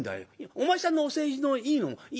お前さんのお世辞のいいのもいいんだよ。